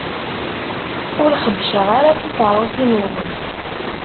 Ur xebbceɣ ara tikeṛṛusin-nwen.